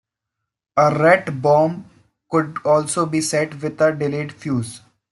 A rat bomb could also be set with a delayed fuse.